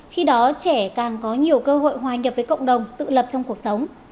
khi đó trẻ càng có nhiều cơ hội hòa nhập với cộng đồng tự lập trong cuộc sống